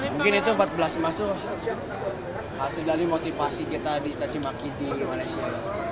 mungkin itu empat belas mas itu hasil dari motivasi kita di cacimakiti malaysia